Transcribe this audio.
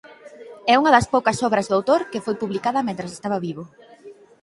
É unha das poucas obras do autor que foi publicada mentres estaba vivo.